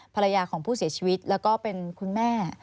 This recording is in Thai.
ภรรยาของผู้เสียชีวิตแล้วก็เป็นคุณแม่